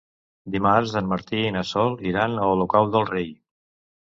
Dimarts en Martí i na Sol iran a Olocau del Rei.